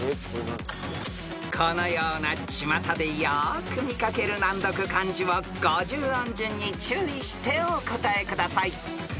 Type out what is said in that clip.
［このようなちまたでよく見掛ける難読漢字を五十音順に注意してお答えください］